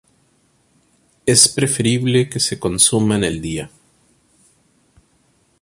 Es preferible que se consuma en el día.